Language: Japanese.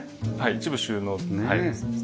一部収納。